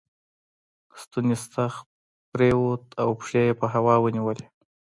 ستونی ستغ پر ووت او پښې یې په هوا ونیولې.